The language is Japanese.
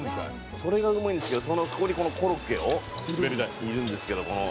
それがうまいんですけどそこにこのコロッケを入れるんですけども。